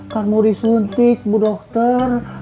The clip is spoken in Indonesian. kan mau disuntik bu dokter